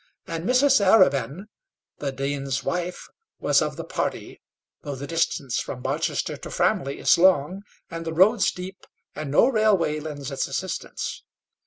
And Mrs. Arabin, the dean's wife, was of the party, though the distance from Barchester to Framley is long, and the roads deep, and no railway lends its assistance.